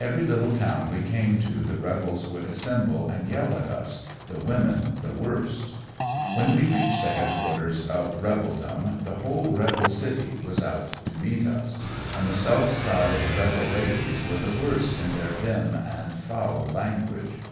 Every little town we came to the rebels would assemble and yell at us, the women the worst. When we reached the headquarters of rebeldom the whole rebel city was out to meet us ^and the self styled rebel ladies were the worst in their vim and foul language.